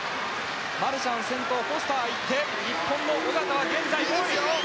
マルシャン、先頭フォスターが行って日本の小方は５位！